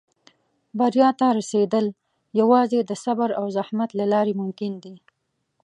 • بریا ته رسېدل یوازې د صبر او زحمت له لارې ممکن دي.